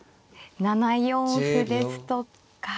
７四歩ですとか。